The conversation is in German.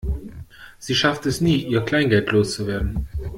Sie schafft es nie, ihr Kleingeld loszuwerden.